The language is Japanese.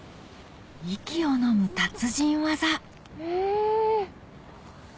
息をのむ達人技え！